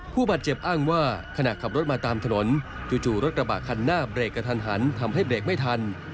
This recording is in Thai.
ผู้บาดเจ็บอ้างว่าขณะขับรถมาตามถนนจู่รถกระบะคันหน้าเบรกกระทันหันทำให้เบรกไม่ทัน